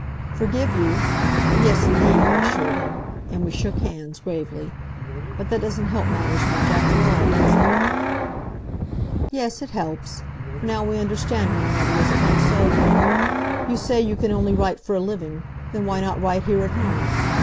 "Forgive you? Yes, indeed," I assured him. And we shook hands, gravely. "But that doesn't help matters much, after all, does it?" "Yes, it helps. For now we understand one another, is it not so? You say you can only write for a living. Then why not write here at home?